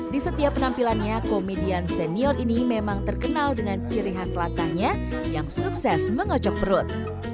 di setiap penampilannya komedian senior ini memang terkenal dengan ciri khas latahnya yang sukses mengocok perut